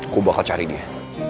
gue bakal cari dia